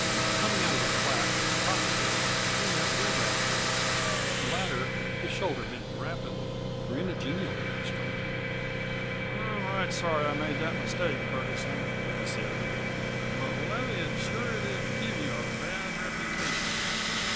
Coming out of the flat near the cottonwood he met Ben Radford. The latter, his shoulder mending rapidly, grinned genially at the stray man. "I'm right sorry I made that mistake, Ferguson," he said; "but Leviatt sure did give you a bad reputation."